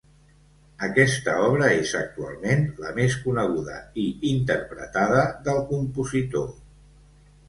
Aquesta obra és actualment la més coneguda i interpretada del compositor.